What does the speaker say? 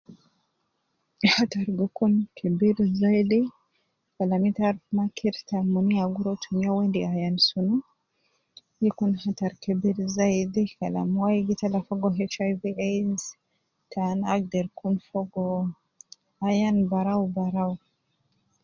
Hatar gi kun kebir zaidi ,kalam ita aruf ma kirta mun ya gi rua tumiya, uwo endi ayan sunu, gi kun hatar kebir zaidi kalam wai gi tala fogo HIV AIDS ,tan agder kun fogo ayan barau barau